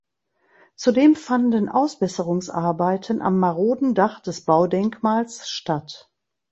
Zudem fanden Ausbesserungsarbeiten am maroden Dach des Baudenkmals statt.